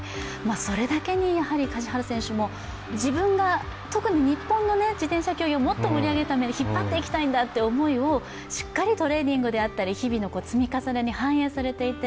それだけに梶原選手も、自分が特に日本の自転車競技をもっと盛り上げるために引っ張っていきたいんだという思いをしっかりトレーニングだったり、日々の積み重ねに反映されていて。